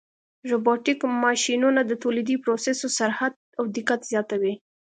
روبوټیک ماشینونه د تولیدي پروسو سرعت او دقت زیاتوي.